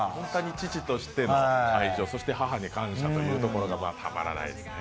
父としての愛情、そして母に感謝というところがたまらないですね。